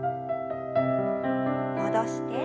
戻して。